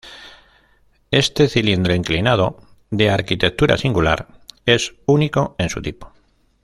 Este cilindro, inclinado de arquitectura singular, es único en su tipo.